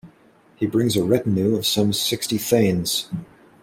He brings a retinue of some sixty thanes.